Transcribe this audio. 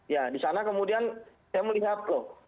ya di sana kemudian saya melihat loh